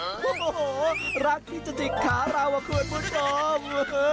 ฮูโหรักที่จะจริงขาเรามะครขวดพูดทอด